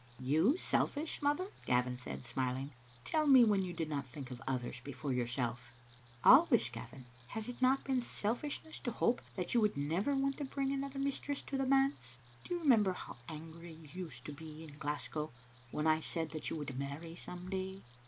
"You selfish, mother!" Gavin said, smiling. "Tell me when you did not think of others before yourself?" •* Always, Gavin. Has it not been selfishness to hope that you would never want to bring another mistress to the manse? Do you remember how angry you used to be in Glasgow when I said that you would marry some day?"